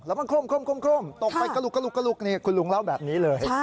แล้วมันคลมตกไปกลุกคุณลุงเล่าแบบนี้เลย